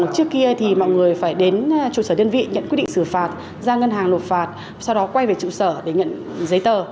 trước kia thì mọi người phải đến trụ sở đơn vị nhận quyết định xử phạt ra ngân hàng nộp phạt sau đó quay về trụ sở để nhận giấy tờ